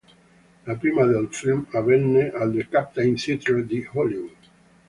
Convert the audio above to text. La prima del film avvenne al The Captain Theatre di Hollywood.